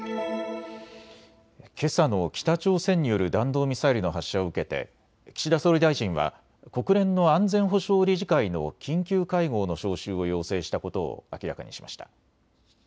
けさの北朝鮮による弾道ミサイルの発射を受けて岸田総理大臣は国連の安全保障理事会の緊急会合の招集を要請したことを明らかにしました。